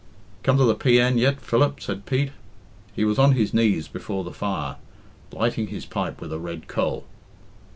"Come to the P. N. yet, Philip?" said Pete. He was on his knees before the fire, lighting his pipe with a red coal.